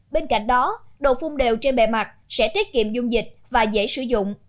bên cạnh đó đầu phung đều trên bề mặt sẽ tiết kiệm dung dịch và dễ sử dụng